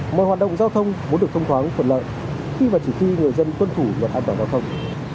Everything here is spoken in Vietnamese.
mọi hoạt động giao thông muốn được thông thoáng thuận lợi khi mà chỉ khi người dân tuân thủ luật an toàn giao thông